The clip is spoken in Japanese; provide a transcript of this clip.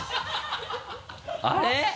あれ？